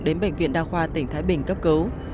đến bệnh viện đa khoa tỉnh thái bình cấp cứu